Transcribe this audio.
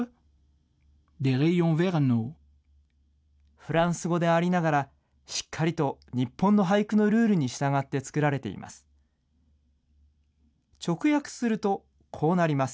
フランス語でありながら、しっかりと日本の俳句のルールに従って作られています。